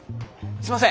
すいません！